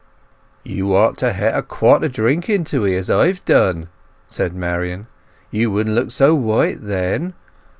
"You ought to het a quart o' drink into 'ee, as I've done," said Marian. "You wouldn't look so white then.